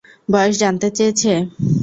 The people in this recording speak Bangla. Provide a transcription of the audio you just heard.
বয়স জানতে চেয়েছে?